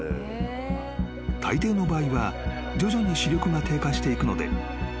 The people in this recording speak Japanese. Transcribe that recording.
［大抵の場合は徐々に視力が低下していくので］